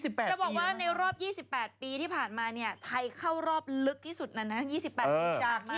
ต้องบอกว่าในรอบ๒๘ปีที่ผ่านมาเนี่ยไทยเข้ารอบลึกที่สุดนั้นนะ๒๘ปีที่ผ่านมาเนี่ย